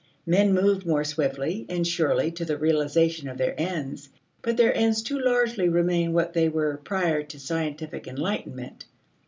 Men move more swiftly and surely to the realization of their ends, but their ends too largely remain what they were prior to scientific enlightenment.